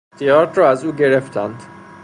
اختیارات را از او گرفتند